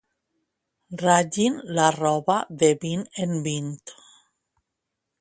Ratllin la roba de vint en vint.